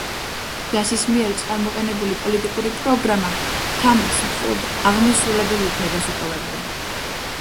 დასის მიერ წამოყენებული პოლიტიკური პროგრამა თამარს მხოლოდ აღმასრულებელ უფლებას უტოვებდა.